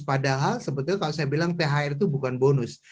padahal sebetulnya kalau saya bilang thr itu bukan bonus